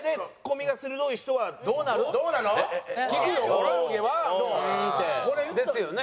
小峠は？ですよね？